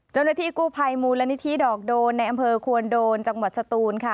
เจ้าหน้าที่กู้ภัยมูลนิธิดอกโดนในอำเภอควนโดนจังหวัดสตูนค่ะ